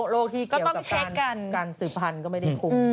โรคที่เกี่ยวกับการสืบพันธุ์ก็ไม่ได้คุ้ม